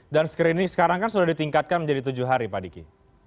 dan screening sekarang kan sudah ditingkatkan menjadi tujuh hari pak diki